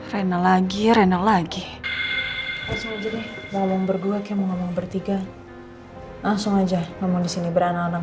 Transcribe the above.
rina lagi rina lagi ngomong berdua kemu bertiga langsung aja ngomong disini beranak